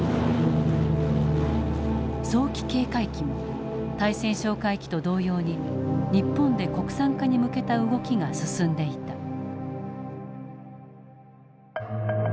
早期警戒機も対潜哨戒機と同様に日本で国産化に向けた動きが進んでいた。